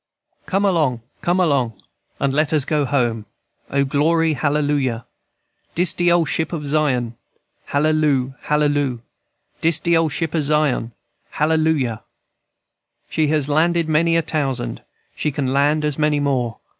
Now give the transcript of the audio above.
"Come along, come along, And let us go home, O, glory, hallelujah? Dis de ole ship o' Zion, Halleloo! Halleloo! Dis de ole ship o' Zion, Hallelujah! "She has landed many a tousand, She can land as many more.